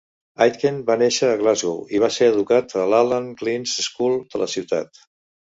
Aitken va néixer a Glasgow i va ser educat a l'Allan Glen's School de la ciutat.